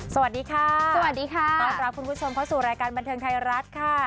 สวัสดีค่ะสวัสดีค่ะต้อนรับคุณผู้ชมเข้าสู่รายการบันเทิงไทยรัฐค่ะ